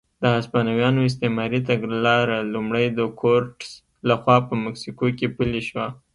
د هسپانویانو استعماري تګلاره لومړی د کورټز لخوا په مکسیکو کې پلې شوه.